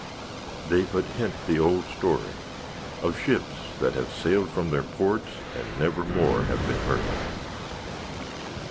They but hint the old story—of ships that have sailed from their ports, and never more have been heard of.